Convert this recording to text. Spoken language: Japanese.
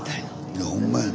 いやほんまやね。